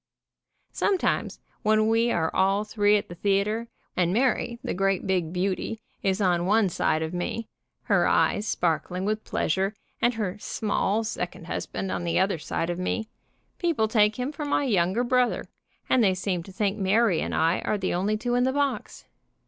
Sometimes, when we are all three at the theater, and Mary, the great big beauty, is on one side of me, her eyes sparkling with pleasure, and her small second husband on the other side of me, people take him for my younger brother, and they seem to think Mary and I are the only two in the box.